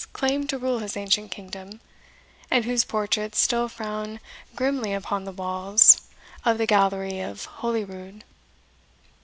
claimed to rule his ancient kingdom, and whose portraits still frown grimly upon the walls of the gallery of Holyrood.